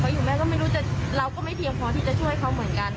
หรืออย่างง่ายเพราะอยู่แม่ก็ไม่รู้เราก็ไม่เตรียมพอที่จะช่วยเขาเหมือนกัน